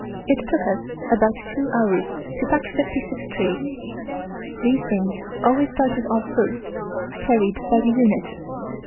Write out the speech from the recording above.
It took us about two hours to pack fifty six trays. These things always started off first, carried by the eunuchs.